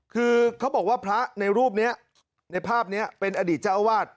คือเขาบอกว่าพระในรูปนี้ในภาพนี้เป็นอดีตเจ้าอาวาส